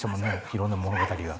いろんな物語が。